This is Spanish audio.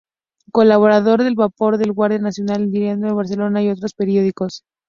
Colaborador de "El Vapor", "El Guardia Nacional", "Diario de Barcelona" y otros periódicos.